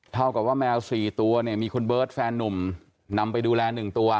เท่ากับว่าแมว๔ตัวเนี่ยมีคุณเบิร์ตแฟนนุ่มนำไปดูแล๑ตัว